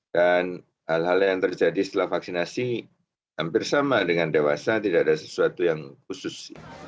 dan hal hal yang terjadi setelah vaksinasi hampir sama dengan dewasa tidak ada sesuatu yang khusus